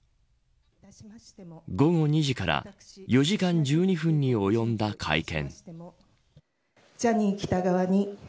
午後２時から４時間１２分に及んだ会見。